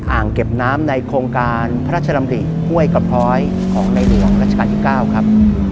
อ่างเก็บน้ำในโครงการพระราชดำริห้วยกระพร้อยของในหลวงรัชกาลที่๙ครับ